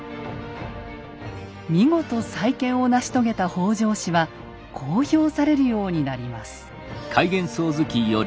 見事再建を成し遂げた北条氏はこう評されるようになります。